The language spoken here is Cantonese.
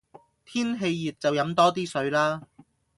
天氣熱就飲多啲水啦